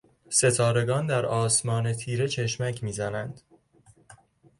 ستارگان در آسمان تیره چشمک میزدند.